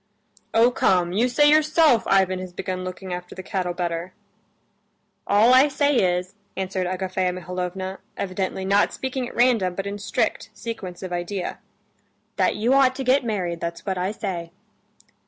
"Oh, come, you say yourself Ivan has begun looking after the cattle better." "All I say is," answered Agafea Mihalovna, evidently not speaking at random, but in strict sequence of idea, "that you ought to get married, that's what I say."